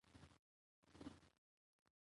کله چې ولس خپله برخه واخلي نظام قوي پاتې کېږي